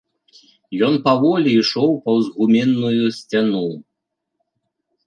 Ён паволі ішоў паўз гуменную сцяну.